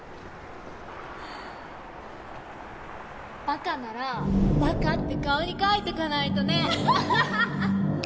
バカならバカって顔に書いとかないとね。